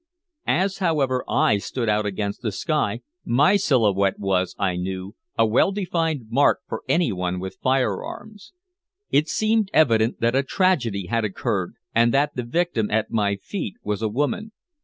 As, however, I stood out against the sky, my silhouette was, I knew, a well defined mark for anyone with fire arms. It seemed evident that a tragedy had occurred, and that the victim at my feet was a woman.